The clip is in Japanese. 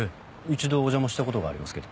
一度お邪魔したことがありますけど。